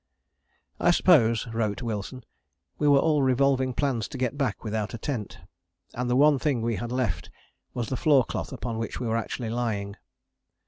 I suppose, wrote Wilson, we were all revolving plans to get back without a tent: and the one thing we had left was the floor cloth upon which we were actually lying.